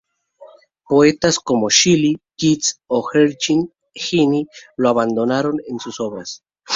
Poetas como Shelley, Keats o Heinrich Heine lo alabaron en sus obras.